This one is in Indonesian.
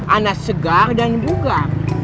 ana segar dan bugar